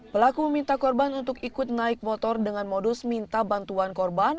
pelaku meminta korban untuk ikut naik motor dengan modus minta bantuan korban